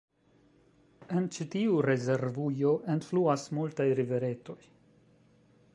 En ĉi tiu rezervujo enfluas multaj riveretoj.